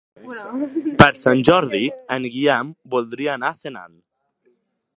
Per Sant Jordi en Guillem voldria anar a Senan.